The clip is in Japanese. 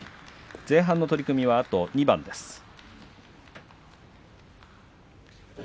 前半の取組はあと２番です。